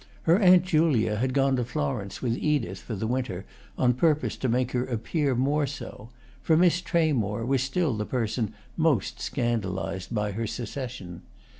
Her aunt Julia had gone to Florence with Edith for the winter, on purpose to make her appear more so; for Miss Tramore was still the person most scandalised by her secession.